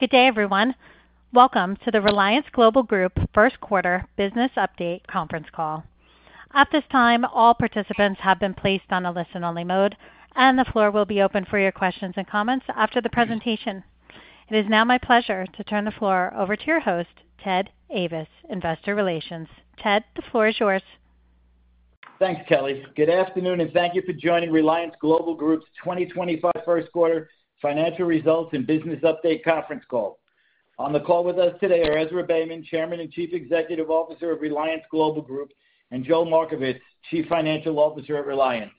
Good day, everyone. Welcome to the Reliance Global Group First Quarter Business Update conference call. At this time, all participants have been placed on a listen-only mode, and the floor will be open for your questions and comments after the presentation. It is now my pleasure to turn the floor over to your host, Ted Ayvas, Investor Relations. Ted, the floor is yours. Thanks, Kelly. Good afternoon, and thank you for joining Reliance Global Group's 2025 First Quarter Financial Results and Business Update conference call. On the call with us today are Ezra Beyman, Chairman and Chief Executive Officer of Reliance Global Group, and Joel Markovits, Chief Financial Officer of Reliance.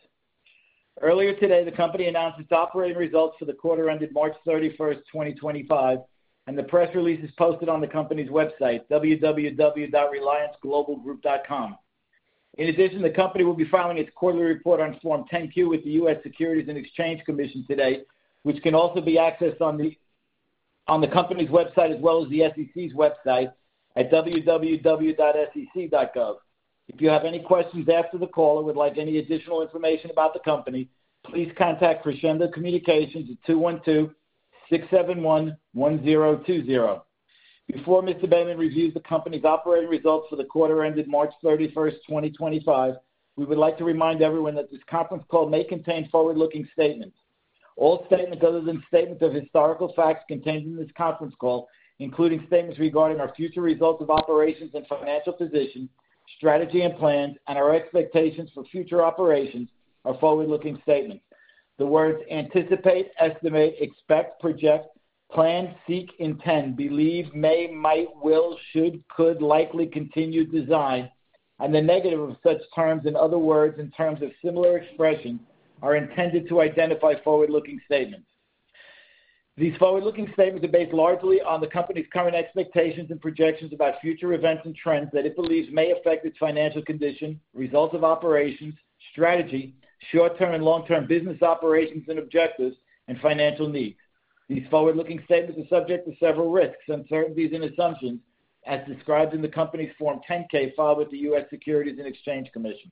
Earlier today, the company announced its operating results for the quarter ended March 31st, 2025, and the press release is posted on the company's website, www.relianceglobalgroup.com. In addition, the company will be filing its quarterly report on Form 10-Q with the U.S. Securities and Exchange Commission today, which can also be accessed on the company's website as well as the SEC's website at www.sec.gov. If you have any questions after the call or would like any additional information about the company, please contact Crescendo Communications at 212-671-1020. Before Mr. Beyman reviews the company's operating results for the quarter ended March 31st, 2025, we would like to remind everyone that this conference call may contain forward-looking statements. All statements other than statements of historical facts contained in this conference call, including statements regarding our future results of operations and financial position, strategy and plans, and our expectations for future operations, are forward-looking statements. The words anticipate, estimate, expect, project, plan, seek, intend, believe, may, might, will, should, could, likely, continue, design, and the negative of such terms and other words, and terms of similar expression, are intended to identify forward-looking statements. These forward-looking statements are based largely on the company's current expectations and projections about future events and trends that it believes may affect its financial condition, results of operations, strategy, short-term and long-term business operations and objectives, and financial needs. These forward-looking statements are subject to several risks, uncertainties, and assumptions, as described in the company's Form 10-K filed with the U.S. Securities and Exchange Commission.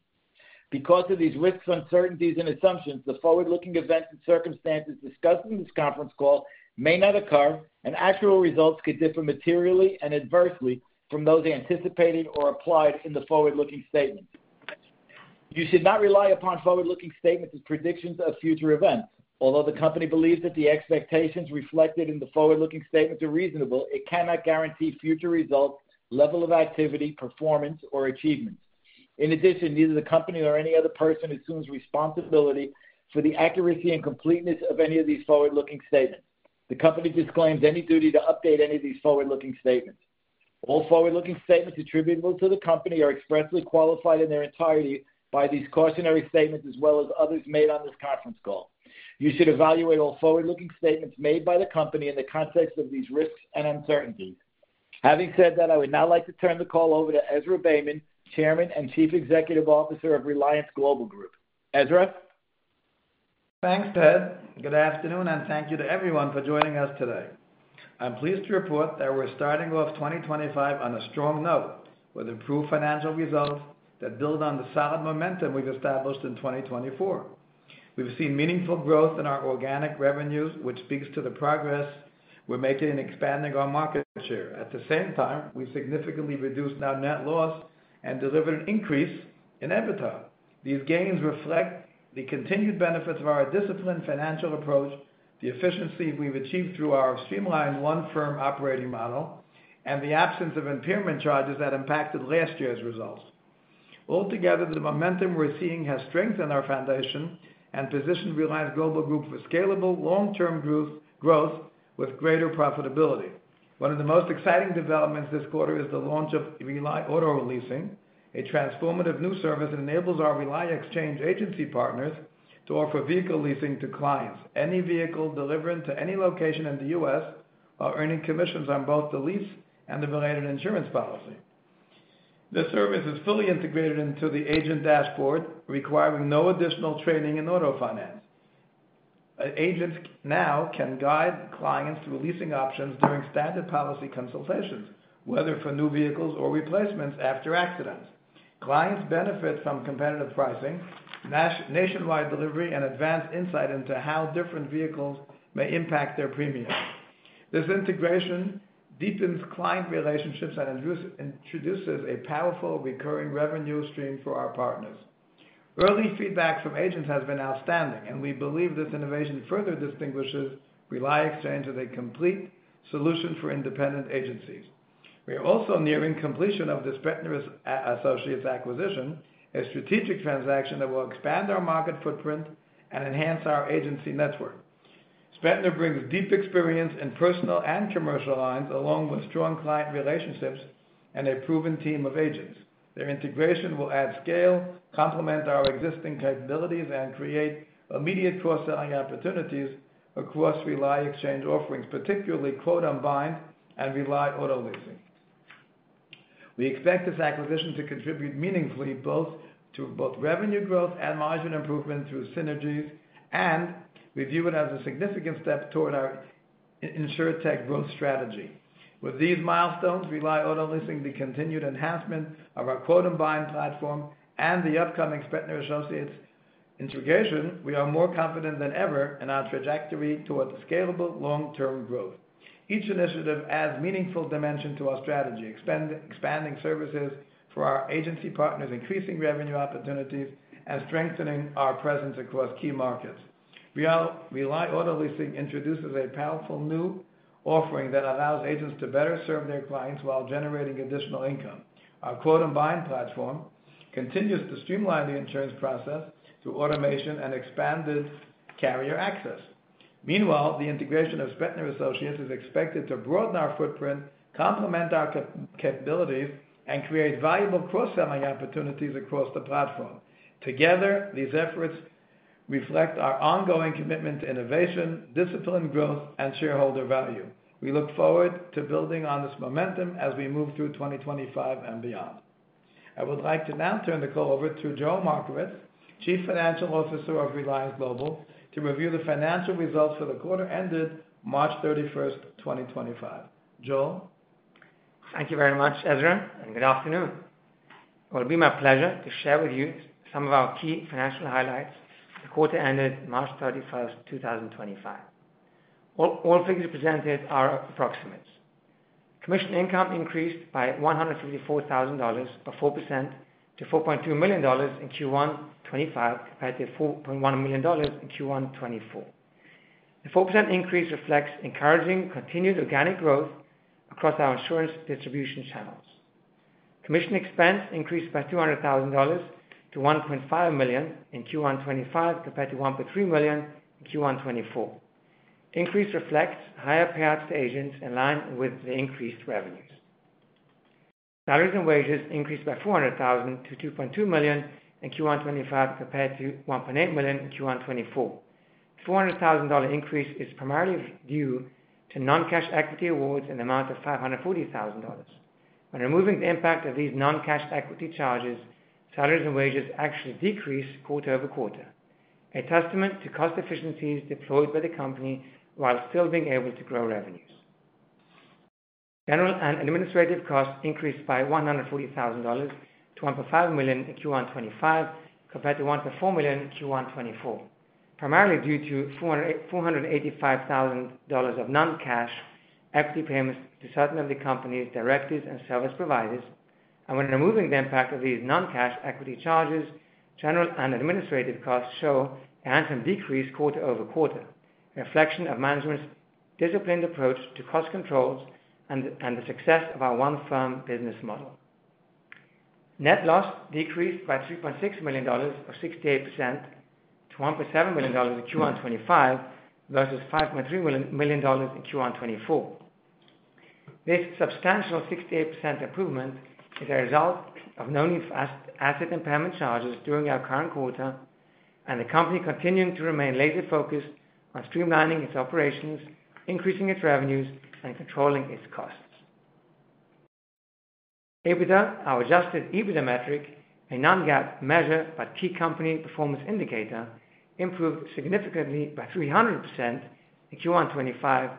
Because of these risks, uncertainties, and assumptions, the forward-looking events and circumstances discussed in this conference call may not occur, and actual results could differ materially and adversely from those anticipated or implied in the forward-looking statements. You should not rely upon forward-looking statements as predictions of future events. Although the company believes that the expectations reflected in the forward-looking statements are reasonable, it cannot guarantee future results, level of activity, performance, or achievements. In addition, neither the company nor any other person assumes responsibility for the accuracy and completeness of any of these forward-looking statements. The company disclaims any duty to update any of these forward-looking statements. All forward-looking statements attributable to the company are expressly qualified in their entirety by these cautionary statements as well as others made on this conference call. You should evaluate all forward-looking statements made by the company in the context of these risks and uncertainties. Having said that, I would now like to turn the call over to Ezra Beyman, Chairman and Chief Executive Officer of Reliance Global Group. Ezra? Thanks, Ted. Good afternoon, and thank you to everyone for joining us today. I'm pleased to report that we're starting off 2025 on a strong note with improved financial results that build on the solid momentum we've established in 2024. We've seen meaningful growth in our organic revenues, which speaks to the progress we're making in expanding our market share. At the same time, we've significantly reduced our net loss and delivered an increase in EBITDA. These gains reflect the continued benefits of our disciplined financial approach, the efficiency we've achieved through our streamlined one-firm operating model, and the absence of impairment charges that impacted last year's results. Altogether, the momentum we're seeing has strengthened our foundation and positioned Reliance Global Group for scalable, long-term growth with greater profitability. One of the most exciting developments this quarter is the launch of RELI Auto Leasing, a transformative new service that enables our RELI Exchange Agency partners to offer vehicle leasing to clients. Any vehicle delivered to any location in the U.S. are earning commissions on both the lease and the related insurance policy. This service is fully integrated into the agent dashboard, requiring no additional training in auto finance. Agents now can guide clients through leasing options during standard policy consultations, whether for new vehicles or replacements after accidents. Clients benefit from competitive pricing, nationwide delivery, and advanced insight into how different vehicles may impact their premium. This integration deepens client relationships and introduces a powerful recurring revenue stream for our partners. Early feedback from agents has been outstanding, and we believe this innovation further distinguishes RELI Exchange as a complete solution for independent agencies. We are also nearing completion of the Spetner Associates acquisition, a strategic transaction that will expand our market footprint and enhance our agency network. Spetner brings deep experience in personal and commercial lines, along with strong client relationships and a proven team of agents. Their integration will add scale, complement our existing capabilities, and create immediate cross-selling opportunities across RELI Exchange offerings, particularly Quote & Bind and RELI Auto Leasing. We expect this acquisition to contribute meaningfully both to revenue growth and margin improvement through synergies, and we view it as a significant step toward our insurtech growth strategy. With these milestones, RELI Auto Leasing, the continued enhancement of our Quote & Bind platform, and the upcoming Spetner Associates integration, we are more confident than ever in our trajectory toward scalable, long-term growth. Each initiative adds meaningful dimension to our strategy, expanding services for our agency partners, increasing revenue opportunities, and strengthening our presence across key markets. RELI Auto Leasing introduces a powerful new offering that allows agents to better serve their clients while generating additional income. Our Quote & Bind platform continues to streamline the insurance process through automation and expanded carrier access. Meanwhile, the integration of Spetner Associates is expected to broaden our footprint, complement our capabilities, and create valuable cross-selling opportunities across the platform. Together, these efforts reflect our ongoing commitment to innovation, disciplined growth, and shareholder value. We look forward to building on this momentum as we move through 2025 and beyond. I would like to now turn the call over to Joel Markovits, Chief Financial Officer of Reliance Global Group, to review the financial results for the quarter ended March 31st, 2025. Joel? Thank you very much, Ezra, and good afternoon. It will be my pleasure to share with you some of our key financial highlights for the quarter ended March 31st, 2025. All figures presented are approximates. Commission income increased by $154,000, a 4% to $4.2 million in Q1 2025, compared to $4.1 million in Q1 2024. The 4% increase reflects encouraging continued organic growth across our insurance distribution channels. Commission expense increased by $200,000 to $1.5 million in Q1 2025, compared to $1.3 million in Q1 2024. Increase reflects higher payouts to agents in line with the increased revenues. Salaries and wages increased by $400,000 to $2.2 million in Q1 2025, compared to $1.8 million in Q1 2024. The $400,000 increase is primarily due to non-cash equity awards in the amount of $540,000. When removing the impact of these non-cash equity charges, salaries and wages actually decrease quarter over quarter, a testament to cost efficiencies deployed by the company while still being able to grow revenues. General and administrative costs increased by $140,000 to $1.5 million in Q1 2025, compared to $1.4 million in Q1 2024, primarily due to $485,000 of non-cash equity payments to certain of the company's directors and service providers. When removing the impact of these non-cash equity charges, general and administrative costs show a handsome decrease quarter over quarter, a reflection of management's disciplined approach to cost controls and the success of our one-firm business model. Net loss decreased by $3.6 million, or 68%, to $1.7 million in Q1 2025 versus $5.3 million in Q1 2024. This substantial 68% improvement is a result of no new asset impairment charges during our current quarter, and the company continuing to remain laser-focused on streamlining its operations, increasing its revenues, and controlling its costs. EBITDA, our adjusted EBITDA metric, a non-GAAP measure but key company performance indicator, improved significantly by 300% in Q1 2025,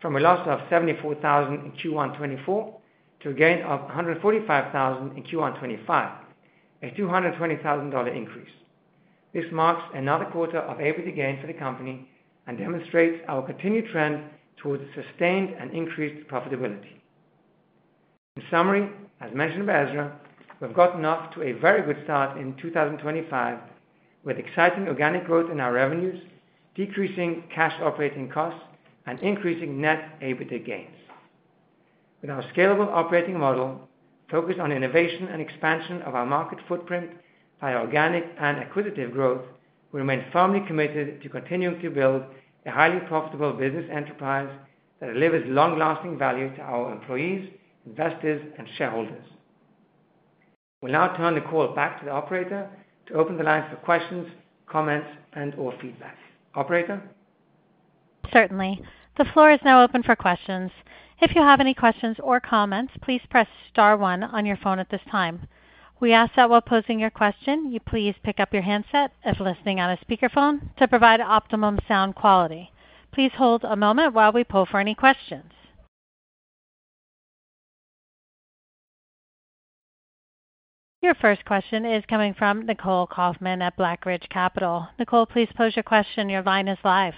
from a loss of $74,000 in Q1 2024 to a gain of $145,000 in Q1 2025, a $220,000 increase. This marks another quarter of EBITDA gain for the company and demonstrates our continued trend towards sustained and increased profitability. In summary, as mentioned by Ezra, we've gotten off to a very good start in 2025 with exciting organic growth in our revenues, decreasing cash operating costs, and increasing net EBITDA gains. With our scalable operating model focused on innovation and expansion of our market footprint via organic and acquisitive growth, we remain firmly committed to continuing to build a highly profitable business enterprise that delivers long-lasting value to our employees, investors, and shareholders. We'll now turn the call back to the operator to open the line for questions, comments, and/or feedback. Operator? Certainly. The floor is now open for questions. If you have any questions or comments, please press star one on your phone at this time. We ask that while posing your question, you please pick up your handset if listening on a speakerphone to provide optimum sound quality. Please hold a moment while we poll for any questions. Your first question is coming from Nicole Kaufman at Blackridge Capital. Nicole, please pose your question. Your line is live.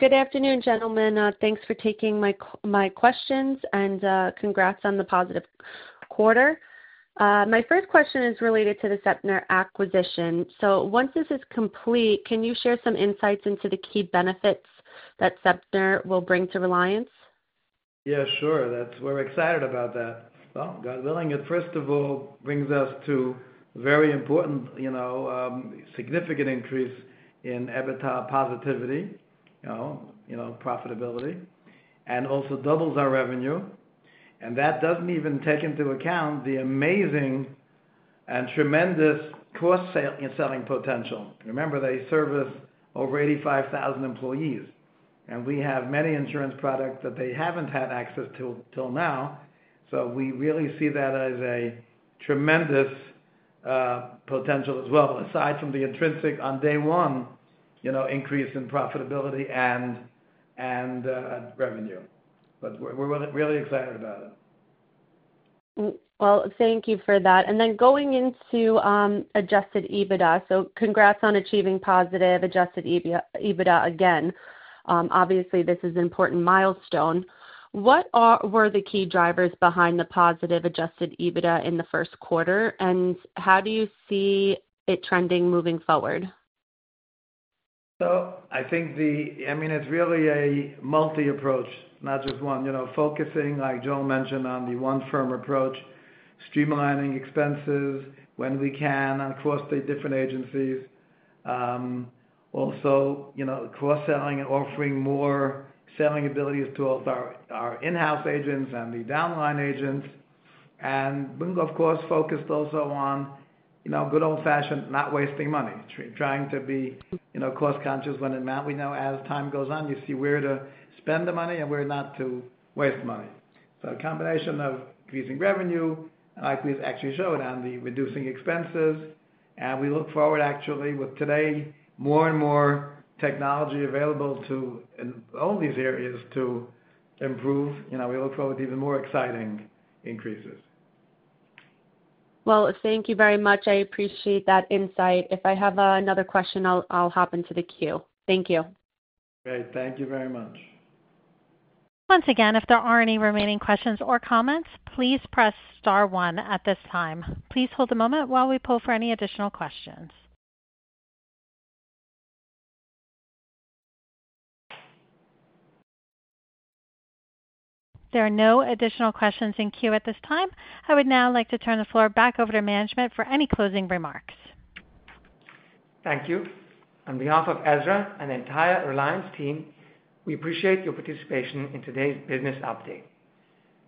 Good afternoon, gentlemen. Thanks for taking my questions and congrats on the positive quarter. My first question is related to the Spetner Associates acquisition. So once this is complete, can you share some insights into the key benefits that Spetner Associates will bring to Reliance? Yeah, sure. We're excited about that. God willing, it first of all brings us to very important, significant increase in EBITDA positivity, profitability, and also doubles our revenue. That does not even take into account the amazing and tremendous cross-selling potential. Remember, they service over 85,000 employees, and we have many insurance products that they have not had access to till now. We really see that as a tremendous potential as well, aside from the intrinsic on day one increase in profitability and revenue. We're really excited about it. Thank you for that. And then going into adjusted EBITDA, so congrats on achieving positive adjusted EBITDA again. Obviously, this is an important milestone. What were the key drivers behind the positive adjusted EBITDA in the first quarter, and how do you see it trending moving forward? I think the, I mean, it's really a multi-approach, not just one. Focusing, like Joel mentioned, on the one-firm approach, streamlining expenses when we can across the different agencies. Also, cross-selling and offering more selling abilities to both our in-house agents and the downline agents. We, of course, focused also on good old-fashioned not wasting money, trying to be cost-conscious when in amount. We know as time goes on, you see where to spend the money and where not to waste money. A combination of increasing revenue, like we actually showed on the reducing expenses. We look forward, actually, with today, more and more technology available to all these areas to improve. We look forward to even more exciting increases. Thank you very much. I appreciate that insight. If I have another question, I'll hop into the queue. Thank you. Great. Thank you very much. Once again, if there are any remaining questions or comments, please press star one at this time. Please hold a moment while we poll for any additional questions. There are no additional questions in queue at this time. I would now like to turn the floor back over to management for any closing remarks. Thank you. On behalf of Ezra and the entire Reliance team, we appreciate your participation in today's business update.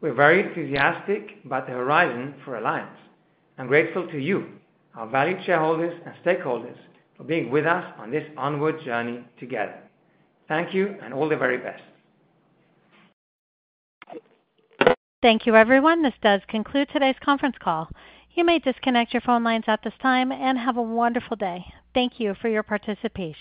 We're very enthusiastic about the horizon for Reliance and grateful to you, our valued shareholders and stakeholders, for being with us on this onward journey together. Thank you and all the very best. Thank you, everyone. This does conclude today's conference call. You may disconnect your phone lines at this time and have a wonderful day. Thank you for your participation.